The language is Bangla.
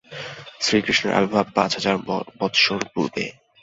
শ্রীকৃষ্ণের আবির্ভাব পাঁচ হাজার বৎসর পূর্বে।